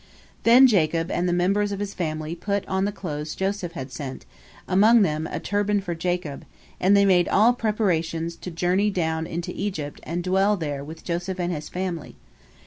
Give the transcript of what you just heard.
" Then Jacob and the members of his family put on the clothes Joseph had sent, among them a turban for Jacob, and they made all preparations to journey down into Egypt and dwell there with Joseph and his family.